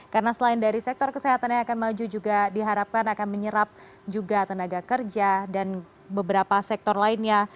karena selain dari sektor kesehatan yang akan maju juga diharapkan akan menyerap juga tenaga kerja dan beberapa sektor lainnya